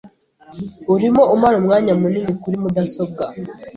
Urimo umara umwanya munini kuri mudasobwa.